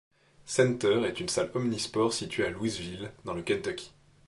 Center est une salle omnisports située à Louisville, dans le Kentucky.